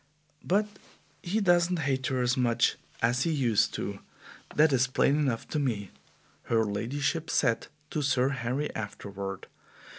"But he doesn't hate her as much as he used to, that is plain enough to me," her ladyship said to Sir Harry afterward.